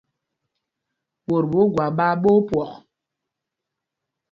Ɓot ɓɛ̄ Ogwáp ɓaa ɓɛ̌ ópwɔk.